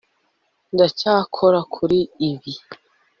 Ndacyakora kuri ibi